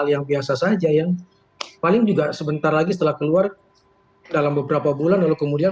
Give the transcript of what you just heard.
hal yang biasa saja yang paling juga sebentar lagi setelah keluar dalam beberapa bulan lalu kemudian